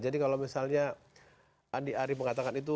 jadi kalau misalnya andi arief mengatakan itu